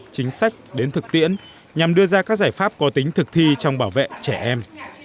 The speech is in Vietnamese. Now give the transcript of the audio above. chính sách đến thực tiễn nhằm đưa ra các giải pháp có tính thực thi trong bảo vệ trẻ em